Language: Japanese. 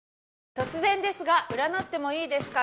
『突然ですが占ってもいいですか？』